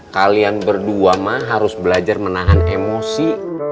kalian berdua mah harus belajar menahan emosi